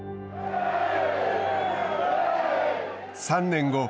３年後。